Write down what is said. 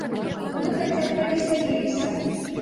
Мы хаця б павесяліліся!